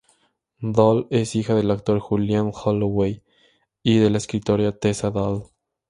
Dahl es hija del actor Julian Holloway y de la escritora Tessa Dahl.